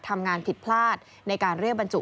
ทำงานผิดพลาดในการเรียกบรรจุ